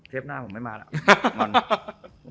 หน้าผมไม่มาแล้ว